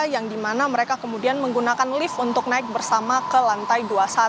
yang dimana mereka kemudian menggunakan lift untuk naik bersama ke lantai dua puluh satu